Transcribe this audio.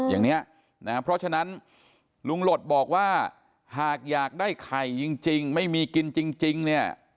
อย่างนี้นะเพราะฉะนั้นลุงหลดบอกว่าหากอยากได้ไข่จริงไม่มีกินจริงเนี่ย